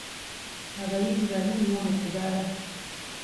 Abayizi babi nnyo mu kubala.